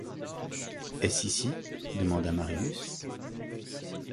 Est-ce ici ? demanda Marius.